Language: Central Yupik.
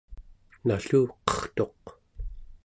nalluqertuq